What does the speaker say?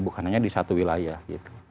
bukan hanya di satu wilayah gitu